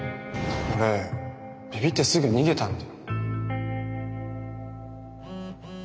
俺びびってすぐ逃げたんで。